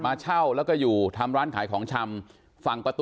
มาเช่าแล้วก็อยู่ทำร้านขายของชำ